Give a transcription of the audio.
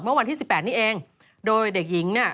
เมื่อวันที่สิบแปดนี่เองโดยเด็กหญิงเนี่ย